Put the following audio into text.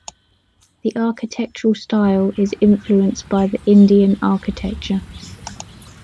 The architectural style is influenced by the Indian architecture.